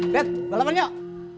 bet balapan yuk